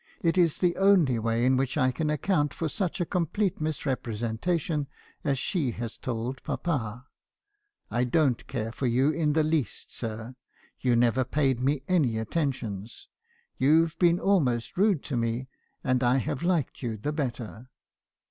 It is the only way in which I can account for such a complete misrepresentation as she had told papa. I don't care for you, in the least, sir. You never paid me any atten tions. You 've been almost rude to me ; and I have liked you the better.